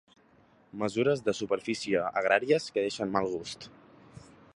Mesures de superfície agràries que deixen mal gust.